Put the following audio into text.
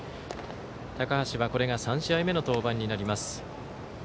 高橋はこれが３試合目の登板になります。